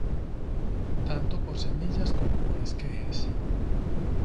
Tanto por semillas como por esquejes.